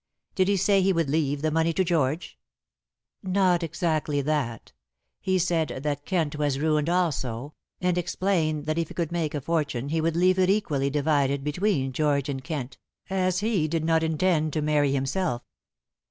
"Did he say he would leave the money to George?" "Not exactly that. He said that Kent was ruined also, and explained that if he could make a fortune he would leave it equally divided between George and Kent, as he did not intend to marry himself."